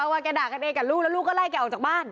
ว่าแกด่ากันเองกับลูกแล้วลูกก็ไล่แกออกจากบ้าน